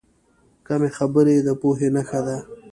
کمې خبرې، د پوهې نښه ده.